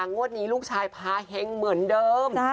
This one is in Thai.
งวดนี้ลูกชายพาเฮงเหมือนเดิม